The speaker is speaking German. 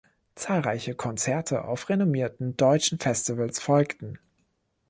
Zahlreiche Konzerte auf renommierten deutschen Festivals folgten.